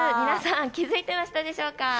皆さん気づいてましたでしょうか？